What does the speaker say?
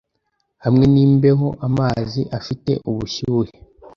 Hamwe nimbeho Amazi afiteubushyuhe